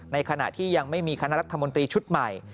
ในขณะที่ยังไม่มีคณะรัฐมนตรีชุดใหม่